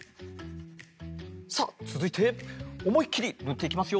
さあつづいておもいっきりぬっていきますよ。